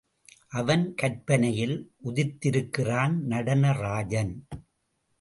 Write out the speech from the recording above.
அவன் கற்பனையில் உதித்திருக்கிறான் நடன ராஜன்.